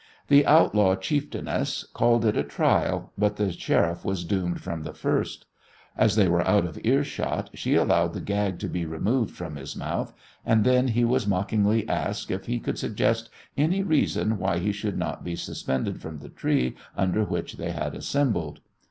The outlaw chieftainess called it a "trial," but the Sheriff was doomed from the first. As they were out of earshot she allowed the gag to be removed from his mouth, and then he was mockingly asked if he could suggest any reason why he should not be suspended from the tree under which they had assembled.